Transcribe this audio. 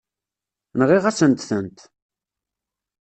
Nɣiɣ-asent-tent.